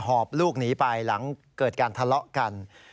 อบลูกหนีไปหลังเกิดการทะเลาะกัน